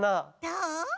どう？